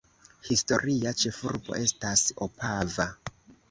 Historia ĉefurbo estas Opava.